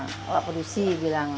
kalau produksi bilang